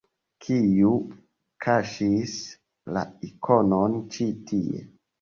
Kiu kaŝis la ikonon ĉi tie?